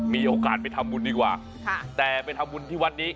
มีโอกาสไปทำบุญดีกว่าแต่ไปทำบุญที่วัดนี้